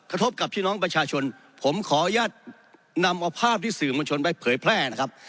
กระทบกับพี่น้องประชาชนผมขออนุญาตนำเอาภาพที่สื่อมวลชนไปเผยแพร่นะครับ